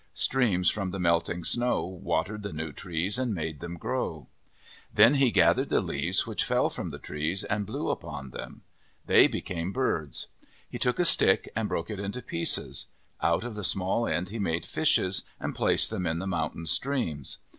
Streams from the melting snow watered the new trees and made them grow. 3 33 MYTHS AND LEGENDS Then he gathered the leaves which fell from the trees and blew upon them. They became birds. He took a stick and broke it into pieces. Out of the small end he made fishes and placed them in the moun tain streams.